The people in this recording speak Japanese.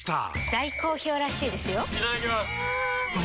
大好評らしいですよんうまい！